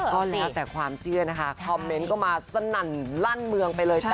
ก็แล้วแต่ความเชื่อนะคะคอมเมนต์ก็มาสนั่นลั่นเมืองไปเลยค่ะ